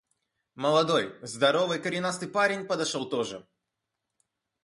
Молодой, здоровый, коренастый парень подошел тоже.